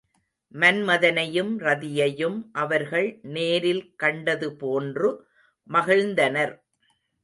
மன்மதனையும் ரதியையும் அவர்கள் நேரில் கண்டது போன்று மகிழ்ந்தனர்.